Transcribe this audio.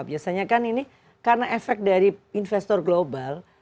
biasanya kan ini karena efek dari investor global